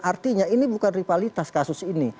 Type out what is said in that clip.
artinya ini bukan rivalitas kasus ini